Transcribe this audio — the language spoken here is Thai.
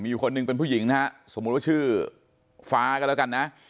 อยู่คนหนึ่งเป็นผู้หญิงนะฮะสมมุติว่าชื่อฟ้าก็แล้วกันนะ